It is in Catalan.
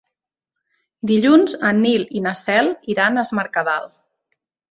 Dilluns en Nil i na Cel iran a Es Mercadal.